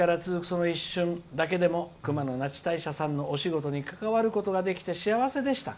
その一瞬熊野那智大社さんのお仕事に関わることができて幸せでした。